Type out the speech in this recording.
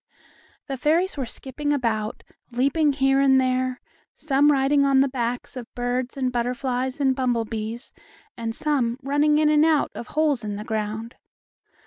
The fairies were skipping about, leaping here and there, some riding on the backs of birds and butterflies and bumblebees, and some running in and out of holes in the ground.